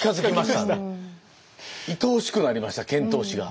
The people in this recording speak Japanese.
いとおしくなりました遣唐使が。